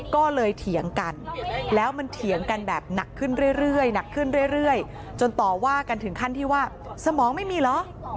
ก็เลยเถียงกันแล้วมันเถียงกันแบบหนักขึ้นเรื่อยหนักขึ้นเรื่อยจนต่อว่ากันถึงขั้นที่ว่าสมองไม่มีเหรอ